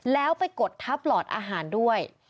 แล้วไปกดทับหลอดอาหารด้วย